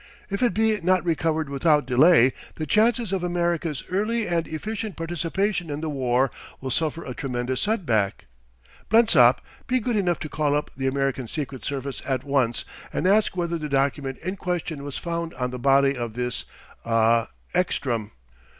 If it be not recovered without delay, the chances of America's early and efficient participation in the war will suffer a tremendous setback ... Blensop, be good enough to call up the American Secret Service at once and ask whether the document in question was found on the body of this ah Ekstrom."